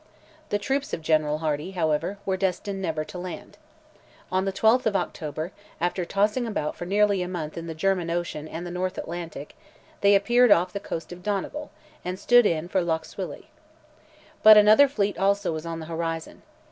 The troops of General Hardi, however, were destined never to land. On the 12th of October, after tossing about for nearly a month in the German ocean and the North Atlantic, they appeared off the coast of Donegal, and stood in for Lough Swilly. But another fleet also was on the horizon.